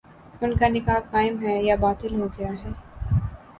ان کا نکاح قائم ہے یا باطل ہو گیا ہے